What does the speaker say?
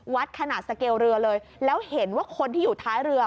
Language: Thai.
ขนาดสเกลเรือเลยแล้วเห็นว่าคนที่อยู่ท้ายเรือ